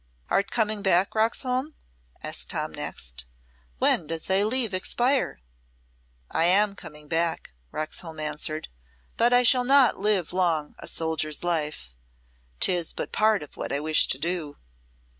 "Art coming back, Roxholm?" asked Tom next. "When does thy leave expire?" "I am coming back," Roxholm answered, "but I shall not long live a soldier's life. 'Tis but part of what I wish to do."